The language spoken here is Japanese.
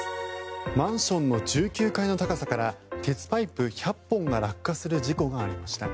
マンションの１９階の高さから鉄パイプ１００本が落下する事故がありました。